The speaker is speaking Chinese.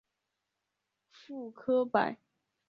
傅科摆